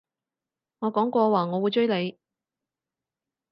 我講過話我會追你